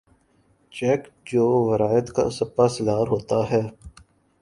کیچک جو ویراٹ کا سپاہ سالار ہوتا ہے